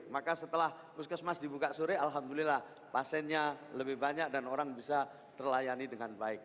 maka setelah puskesmas dibuka sore alhamdulillah pasiennya lebih banyak dan orang bisa terlayani dengan baik